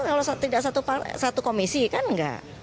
ya teman teman di dpr kalau tidak satu komisi kan enggak